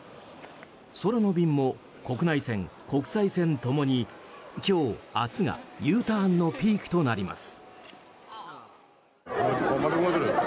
空の便も国内線、国際線共に今日明日がＵターンのピークとなります。